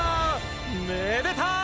めでたい！